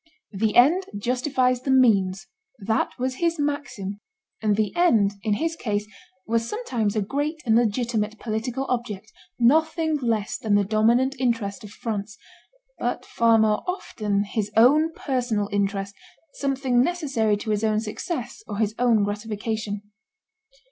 "The end justifies the means" that was his maxim; and the end, in his case, was sometimes a great and legitimate political object, nothing less than the dominant interest of France, but far more often his own personal interest, something necessary to his own success or his own gratification.